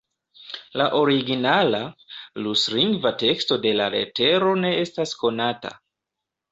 La originala, ruslingva teksto de la letero ne estas konata.